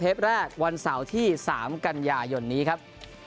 แรกวันเสาร์ที่๓กันยายนนี้ครับ